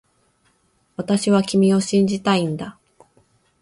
私は君を信じたいんだ